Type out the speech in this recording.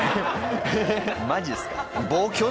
マジですか？